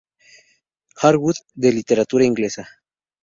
Harwood de Literatura Inglesa.